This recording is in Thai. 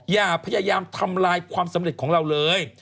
อย่าพยายามทำลายความสำเร็จของเราเลย